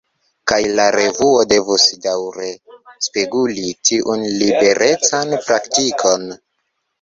Kaj la revuo devus daŭre “speguli” tiun liberecan praktikon.